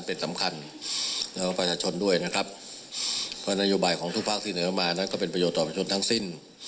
เพราะนโยบายของทุกภาคที่เหนือมานั้นก็เป็นประโยชน์ต่อไปจนทั้งสิ้น